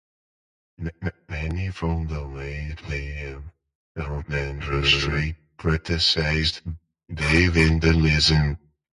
Many from the Malayalam film industry criticized the vandalism.